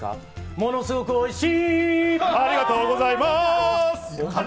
ものすごくおいしい！